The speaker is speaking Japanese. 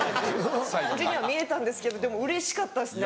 感じには見えたんですけどでもうれしかったですね。